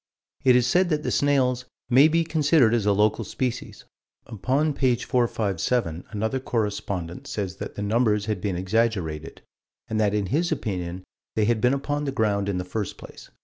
It is said that the snails "may be considered as a local species." Upon page 457, another correspondent says that the numbers had been exaggerated, and that in his opinion they had been upon the ground in the first place.